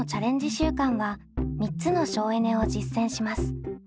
週間は３つの省エネを実践します。